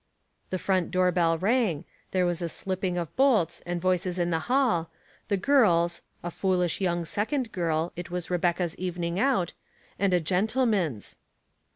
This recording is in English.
The front door bell rang, there was a slipping of bolts, and voices in the hall, the girl's (a foolish young sec ond girl, it was Rebecca's evening out) and a gen tleman's.